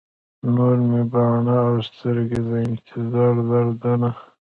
نور مې باڼه او سترګي، د انتظار دردونه